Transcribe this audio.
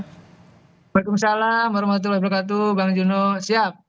waalaikumsalam warahmatullahi wabarakatuh bang jono siap